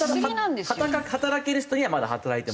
働ける人にはまだ働いてもらう。